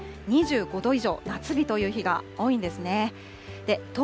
２５度以上、夏日という日が多いんですね。